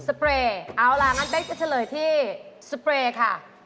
เปรย์เอาล่ะงั้นเป๊กจะเฉลยที่สเปรย์ค่ะ